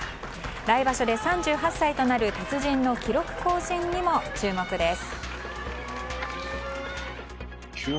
来場所で３８歳となる鉄人の記録更新にも注目です。